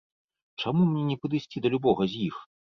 Чаму мне не падысці да любога з іх?